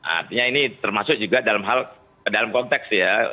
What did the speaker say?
artinya ini termasuk juga dalam hal dalam konteks ya